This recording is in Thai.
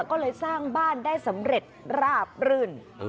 ก็เลยสร้างบ้านได้สำเร็จราบรื่น